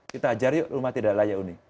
kita ajar yuk rumah tidak layak uni